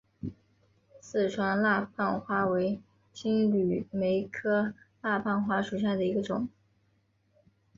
四川蜡瓣花为金缕梅科蜡瓣花属下的一个种。